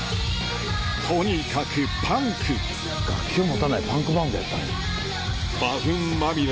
とにかくパンク楽器を持たないパンクバンドやったんや。